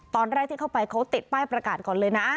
ตอนแรกที่เข้าไปเขาติดป้ายประกาศก่อนเลยนะ